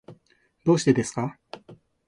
どうしてですか？